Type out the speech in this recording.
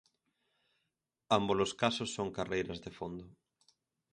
Ambos os casos son carreiras de fondo.